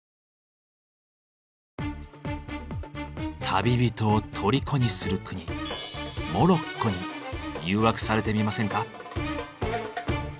旅人を虜にする国モロッコに誘惑されてみませんか。